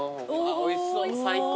おいしそう最高。